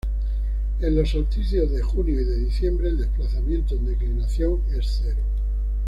En los solsticios de junio y de diciembre, el desplazamiento en declinación es cero.